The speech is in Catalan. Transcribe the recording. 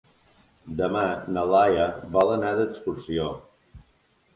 Demà na Laia vol anar d'excursió.